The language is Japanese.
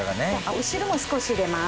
お汁も少し入れます。